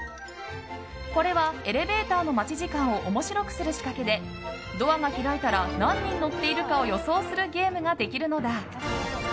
これはエレベーターの待ち時間を面白くする仕掛けでドアが開いたら何人乗っているかを予想するゲームができるのだ。